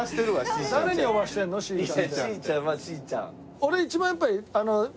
俺一番やっぱり。